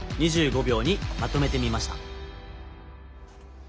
２５秒にまとめてみました。